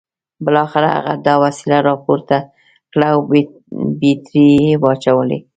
بالاخره هغه دا وسیله راپورته کړه او بیټرۍ یې واچولې